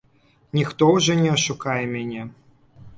Ніхто ўжо не ашукае мяне.